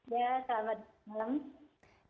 ya selamat malam